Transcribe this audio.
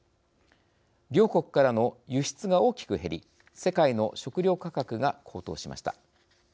両国からの輸出が大きく減り世界の食料価格が高騰しました。